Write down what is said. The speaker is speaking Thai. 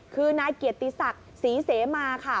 คือนายเกียรติศักดิ์ศรีเสมาค่ะ